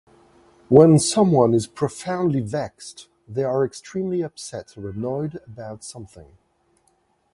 When someone is profoundly vexed, they are extremely upset or annoyed about something.